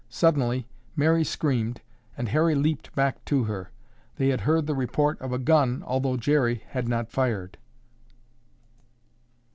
Suddenly Mary screamed and Harry leaped back to her. They had heard the report of a gun although Jerry had not fired.